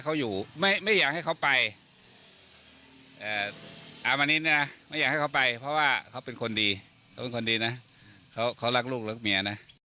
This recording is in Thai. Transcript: เขาเป็นคนดีนะเขารักลูกรักเมียนะ